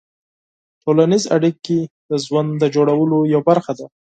ټولنیز اړیکې د ژوند د جوړولو یوه برخه ده.